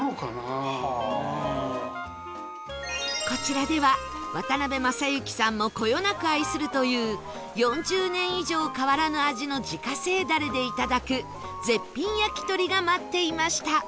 こちらでは渡辺正行さんもこよなく愛するという４０年以上変わらぬ味の自家製ダレでいただく絶品焼き鳥が待っていました